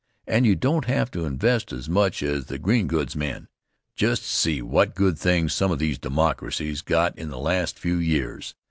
And you don't have to invest as much as the green goods men. Just see what good things some of these "Democracies" got in the last few years!